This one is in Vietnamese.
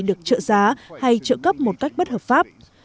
được trợ giá hay trợ cấp một cách bất hợp pháp